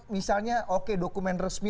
misalnya oke dokumen resmi